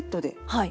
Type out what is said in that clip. はい。